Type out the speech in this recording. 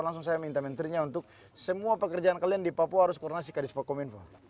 langsung saya minta menterinya untuk semua pekerjaan kalian di papua harus koronasi kdiskominfo